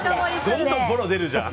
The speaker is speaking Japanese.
どんどんボロ出るじゃん。